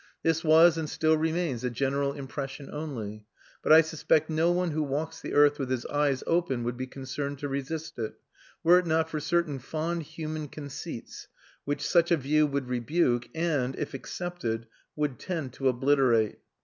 This was, and still remains, a general impression only; but I suspect no one who walks the earth with his eyes open would be concerned to resist it, were it not for certain fond human conceits which such a view would rebuke and, if accepted, would tend to obliterate.